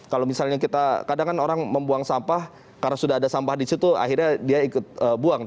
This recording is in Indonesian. kalau misalnya kita kadang kan orang membuang sampah karena sudah ada sampah di situ akhirnya dia ikut buang